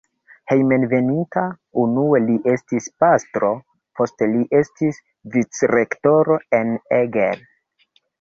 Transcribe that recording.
Hejmenveninta unue li estis pastro, poste li estis vicrektoro en Eger.